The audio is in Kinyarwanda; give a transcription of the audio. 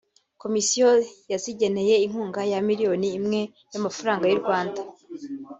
Komisiyo yazigeneye inkunga ya miliyoni imwe y’amafaranga y’u Rwanda